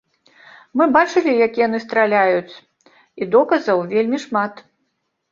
Мы бачылі, як яны страляюць, і доказаў вельмі шмат.